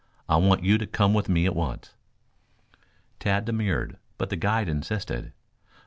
"I want you to come with me at once." Tad demurred, but the guide insisted.